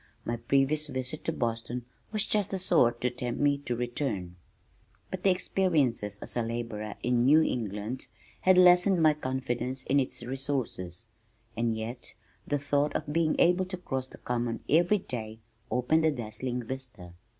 My previous visit to Boston was just the sort to tempt me to return, but my experiences as a laborer in New England had lessened my confidence in its resources and yet the thought of being able to cross the Common every day opened a dazzling vista.